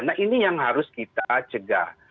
nah ini yang harus kita cegah